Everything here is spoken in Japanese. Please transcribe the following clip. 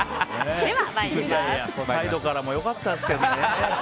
サイドからもよかったですけどね。